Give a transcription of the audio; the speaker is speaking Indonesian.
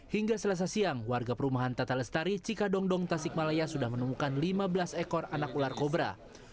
hingga selasa siang warga perumahan tata lestari cikadongdong tasikmalaya sudah menemukan lima belas ekor anak ular kobra